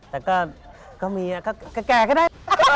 แต่ก็มีก็แก่ก็ได้